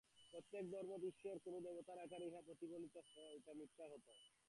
প্রত্যেক ধর্মেই ঈশ্বর বা কোন দেবতার আকারে ইহা প্রতিফলিত হয়।